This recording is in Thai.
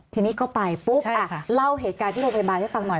ทีนี้ก็ไปปุ๊บเล่าเหตุการณ์ที่โรงพยาบาลให้ฟังหน่อย